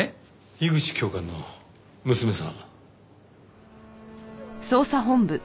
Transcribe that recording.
樋口教官の娘さん。